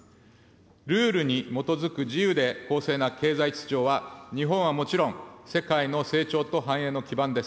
ルールに基づく自由で公正な経済秩序は日本はもちろん、世界の成長と繁栄の基盤です。